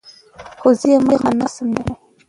خو زه يې مخه نشم نيوى.